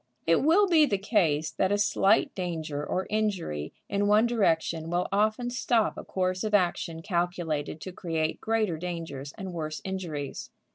It will be the case that a slight danger or injury in one direction will often stop a course of action calculated to create greater dangers and worse injuries.